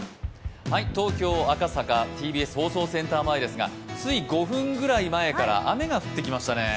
東京・赤坂、ＴＢＳ放送センター前ですがつい５分ぐらい前から雨が降ってきましたね。